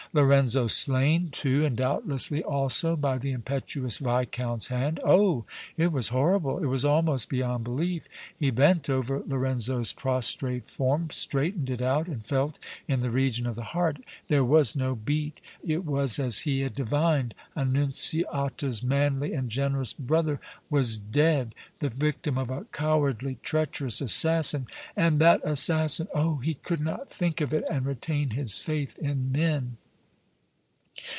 Lorenzo slain, too, and doubtlessly also by the impetuous Viscount's hand! Oh! it was horrible! it was almost beyond belief! He bent over Lorenzo's prostrate form, straightened it out and felt in the region of the heart; there was no beat; it was as he had divined Annunziata's manly and generous brother was dead the victim of a cowardly, treacherous assassin and that assassin! oh! he could not think of it and retain his faith in men!